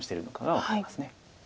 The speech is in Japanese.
分かります。